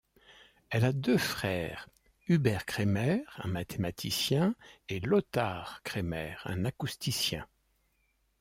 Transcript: Elle a deux frères, Hubert Cremer, un mathématicien, et Lothar Cremer, un acousticien.